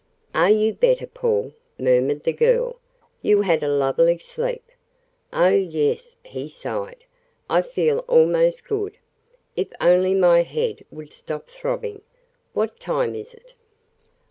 "Are you better, Paul?" murmured the girl. "You had a lovely sleep." "Oh, yes," he sighed. "I feel almost good. If only my head would stop throbbing. What time is it?"